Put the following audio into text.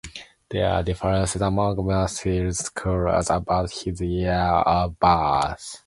There are differences among Muslim scholars about his year of birth.